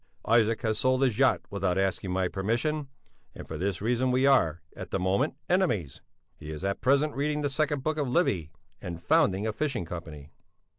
Isaac has sold his yacht without asking my permission, and for this reason we are, at the moment, enemies. He is at present reading the second book of Livy and founding a Fishing Company.